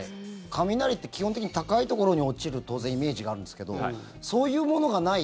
雷って基本的に高いところに落ちる当然、イメージがあるんですけどそういうものがない